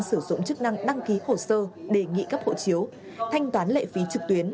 sử dụng chức năng đăng ký hồ sơ đề nghị cấp hộ chiếu thanh toán lệ phí trực tuyến